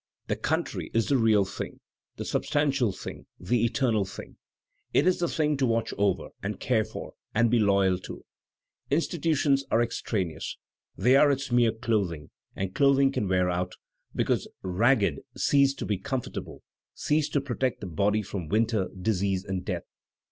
The countiy is the real thing, the substantial thing, the eternal thing; it is the thing to watch over, and q^ure for, and be loyal to; institutions are extraneous, they are its mere clothing, and clothing can wear out, become ragged, cease to be comfortable, cease to protect the body from winter, disease, and death.